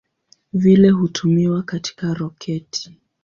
Vile hutumiwa katika roketi.